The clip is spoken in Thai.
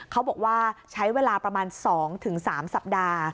เขาบอกว่าใช้เวลาประมาณ๒๓สัปดาห์